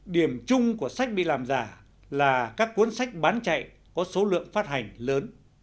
điểm chung của sách bị làm giả là các cuốn sách bán chạy có số lượng phát hành lớn